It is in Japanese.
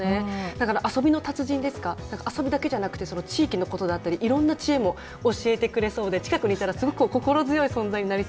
だから遊びの達人ですか何か遊びだけじゃなくてその地域のことだったりいろんな知恵も教えてくれそうで近くにいたらすごく心強い存在になりそうですよね。